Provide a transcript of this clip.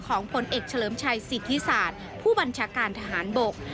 ผลเอกเฉลิมชัยสิทธิศาสตร์ผู้บัญชาการทหารบก